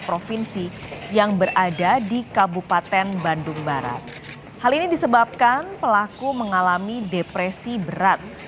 provinsi yang berada di kabupaten bandung barat hal ini disebabkan pelaku mengalami depresi berat